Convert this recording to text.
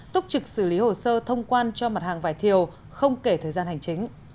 túc trực xử lý hồ sơ thông quan cho mặt hàng vải thiều không kể thời gian hành chính